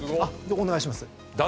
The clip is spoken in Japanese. お願いします。